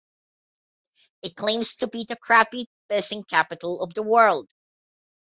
It claims to be the Crappie Fishing Capital of the World.